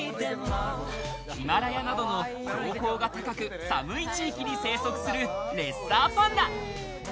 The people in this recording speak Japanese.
ヒマラヤなどの標高が高く寒い地域に生息するレッサーパンダ。